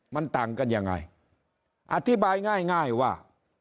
มันต่างกันยังไงอธิบายง่ายว่า